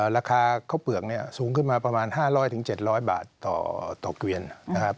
ราคาข้าวเปลือกเนี่ยสูงขึ้นมาประมาณ๕๐๐๗๐๐บาทต่อเกวียนนะครับ